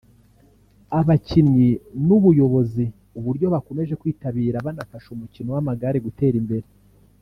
abakinnyi n’ubuyobozi uburyo bakomeje kwitabira banafasha umukino w’amagare gutera imbere